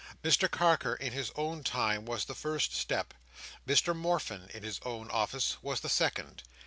Mr Carker in his own office was the first step; Mr Morfin, in his own office, was the second.